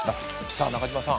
さあ中島さん。